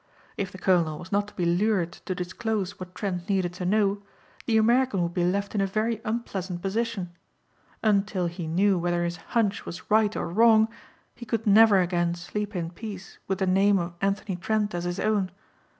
If the colonel was not to be lured to disclose what Trent needed to know, the American would be left in a very unpleasant position. Until he knew whether his "hunch" was right or wrong he could never again sleep in peace with the name Anthony Trent as his own.